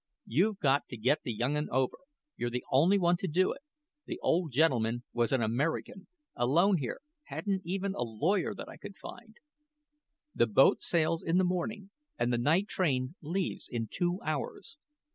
You've got to get the young un over. You're the only one to do it. The old gentleman was an American, alone here hadn't even a lawyer, that I could find. The boat sails in the morning and the night train leaves in two hours.